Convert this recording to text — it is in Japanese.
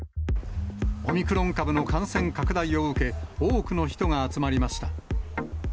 オミクロン株の感染拡大を受け、多くの人が集まりました。